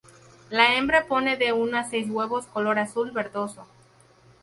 La hembra pone de uno a seis huevos color azul verdoso.